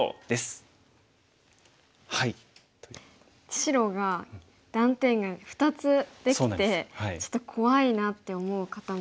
白が断点が２つできてちょっと怖いなって思う方も。